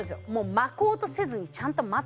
巻こうとせずにちゃんと待つこと。